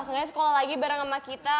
seenggaknya sekolah lagi bareng ama kita